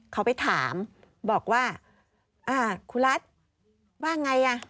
เขาไปถามบอกว่าอ่าครูรัฐว่าไงอ่ะ